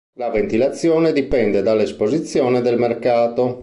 La ventilazione dipende dall’esposizione del mercato.